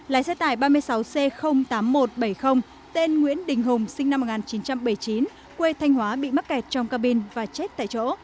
lái xe tải ba mươi sáu c tám nghìn một trăm bảy mươi tên nguyễn đình hùng sinh năm một nghìn chín trăm bảy mươi chín quê thanh hóa bị mắc kẹt trong cabin và chết tại chỗ